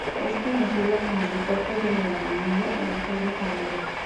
Es conocida como la puerta de la Lagunilla o la calle Jardín.